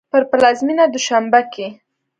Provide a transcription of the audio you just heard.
په پلازمېنه دوشنبه کې